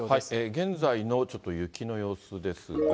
現在のちょっと雪の様子ですが。